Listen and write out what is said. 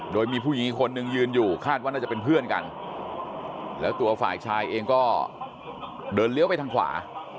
โดยมีผู้หญิงคนหนึ่งยืนอยู่คาดว่าน่าจะเป็นเพื่อนกันแล้วตัวฝ่ายชายเองก็เดินเลี้ยวไปทางขวา